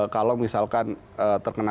kalau misalkan terkena